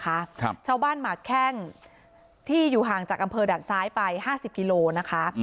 ครับชาวบ้านหมากแข้งที่อยู่ห่างจากอำเภอด่านซ้ายไปห้าสิบกิโลนะคะอืม